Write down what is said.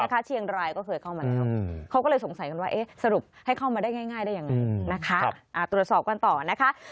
เขาก็สงสัยว่าสรุปให้เข้ามาได้ง่ายได้ยังไงตรวจสอบกันต่อนะคะ